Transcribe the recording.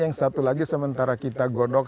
yang satu lagi sementara kita godok